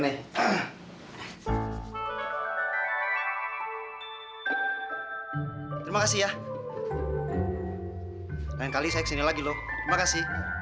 aduh terus juga harus jatuh harus jatuh